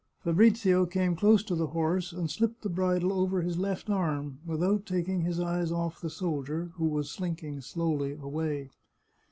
Fabrizio came close to the horse and slipped the bridle over his left arm without taking his eyes oflf the soldier, who was slinking slowly away.